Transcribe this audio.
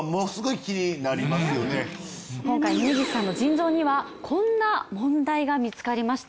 今回峯岸さんの腎臓にはこんな問題が見つかりました。